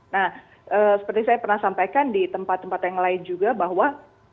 nah seperti saya pernah sampaikan di tempat tempat yang lain juga bahwa